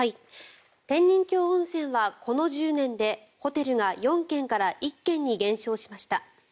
天人峡温泉はこの１０年でホテルが４軒から１軒に減少しました。